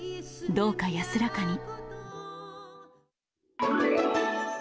どうか安らかに。